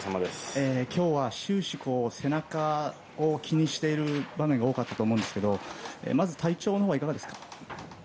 今日は終始、背中を気にしている場面が多かったと思いますがまず体調のほうはいかがですか？